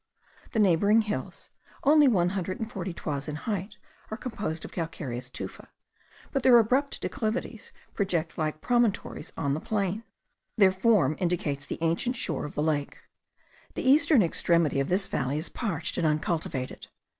The neighbouring hills, only one hundred and forty toises in height, are composed of calcareous tufa; but their abrupt declivities project like promontories on the plain. Their form indicates the ancient shore of the lake. The eastern extremity of this valley is parched and uncultivated.